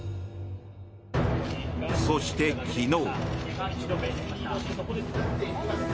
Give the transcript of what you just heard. そして、昨日。